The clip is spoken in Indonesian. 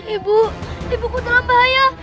ibu ibu ku dalam bahaya